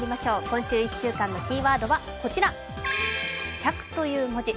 今週１週間のキーワードはこちら、「着」という文字。